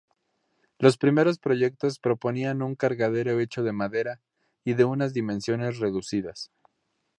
Los primeros proyectos proponían un cargadero hecho de madera, y de unas dimensiones reducidas.